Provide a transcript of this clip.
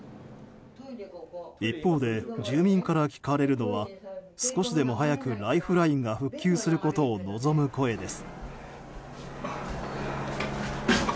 一方で住民から聞かれるのは少しでも早くライフラインが復旧することを望む声です。